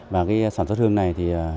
các hương sản xuất hương này